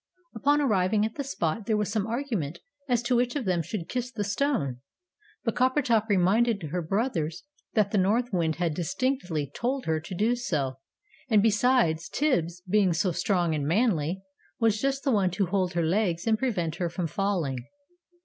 Upon arriving at the spot, there was some argument as to which of them should kiss the stone, but Coppertop reminded her brothers that the North Wind had distinctly told her to do so; and besides, Tibbs, being so strong and manly, was just the one to hold her legs and prevent her from falling.